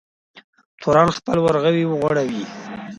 تورن خپل ورغوی وغوړوی.